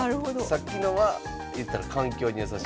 さっきのはいったら環境にやさしい。